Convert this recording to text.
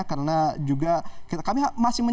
masalahnya karena juga